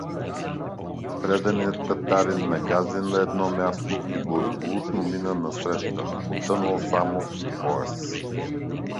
Преданият татарин нагази на едно място и благополучно мина насреща, потънал само до пояс.